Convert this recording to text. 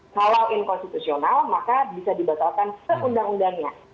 kalau inkonstitusional maka bisa dibatalkan se undang undangnya